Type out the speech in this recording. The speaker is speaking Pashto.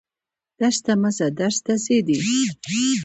درس ته مه ځه درس ته ځه دي